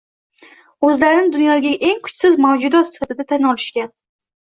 O’zlarini dunyodagi eng kuchsiz mavjudot sifatida tan olishgan.